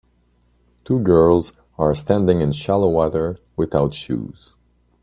Two girls are standing in shallow water without shoes.